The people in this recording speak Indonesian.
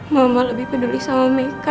mama lebih peduli sama mereka